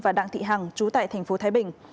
và đặng thị hằng chú tại thành phố thái bình